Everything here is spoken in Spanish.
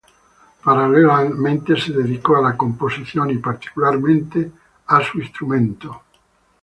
Paralelamente, se dedicó a la composición, y particularmente para su instrumento.